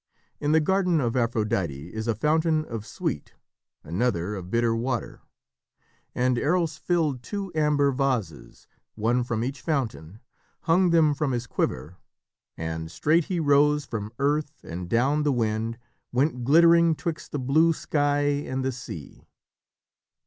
In the garden of Aphrodite is a fountain of sweet, another of bitter water, and Eros filled two amber vases, one from each fountain, hung them from his quiver, and "Straight he rose from earth and down the wind Went glittering 'twixt the blue sky and the sea."